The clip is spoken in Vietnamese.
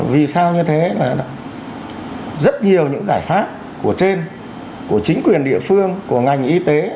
vì sao như thế là rất nhiều những giải pháp trên của chính quyền địa phương của ngành y tế